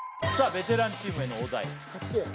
ベテランチームへのお題・勝ちてえ